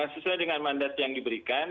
sesuai dengan mandat yang diberikan